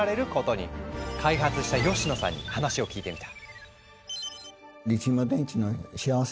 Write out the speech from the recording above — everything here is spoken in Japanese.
開発した吉野さんに話を聞いてみた。